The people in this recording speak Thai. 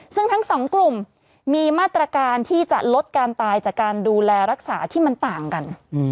ซึ่งทั้งสองกลุ่มมีมาตรการที่จะลดการตายจากการดูแลรักษาที่มันต่างกัน